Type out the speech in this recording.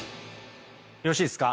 よろしいですか？